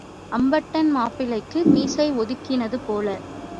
அம்பட்டன் மாப்பிள்ளைக்கு மீசை ஒதுக்கினது போல.